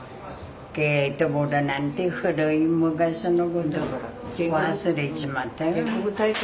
ゲートボールなんて古い昔のこと忘れちまったよ。